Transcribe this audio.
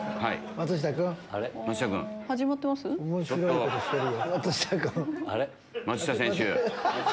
松下選手。